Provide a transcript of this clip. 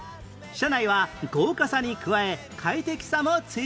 車内は豪華さに加え快適さも追求